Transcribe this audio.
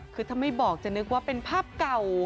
คือถ้าไม่บอกจะนึกว่าเป็นภาพเก่า